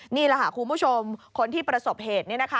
นี่แหละคุณผู้ชมคนที่ประสบเหตุนี่นะคะ